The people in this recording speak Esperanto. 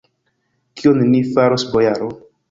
Kion ni faris, bojaro?